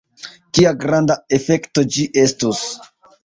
Kia granda efekto ĝi estus!